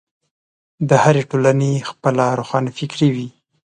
د هرې ټولنې خپله روښانفکري وي.